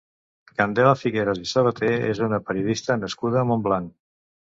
Candela Figueras i Sabaté és una periodista nascuda a Montblanc.